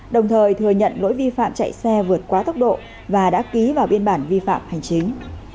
đồng thời thừa nhận lỗi vi phạm chạy xe vượt quá tốc độ và đã ký vào biên bản vi phạm hành chính